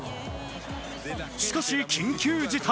しかし緊急事態。